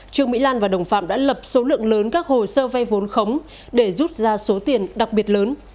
trương mỹ lan và đồng phạm đã lập số lượng lớn các hồ sơ vay vốn khống để rút ra số tiền đặc biệt lớn